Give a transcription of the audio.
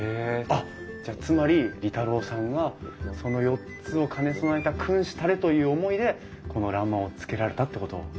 あっじゃあつまり利太郎さんはその４つを兼ね備えた君子たれという思いでこの欄間をつけられたってこと。